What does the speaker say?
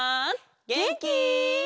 げんき？